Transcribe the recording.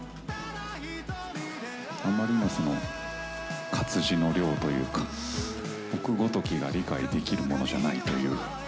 あまりのその活字の量というか、僕ごときが理解できるものじゃないという。